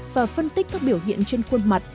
và phân tích các biểu hiện trên khuôn mặt